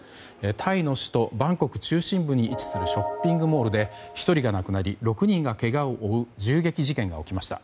タイの首都バンコク中心部に位置するショッピングモールで１人が亡くなり６人がけがを負う銃撃事件が起きました。